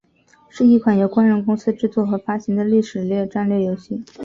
是一款由光荣公司制作和发行的历史类战略游戏。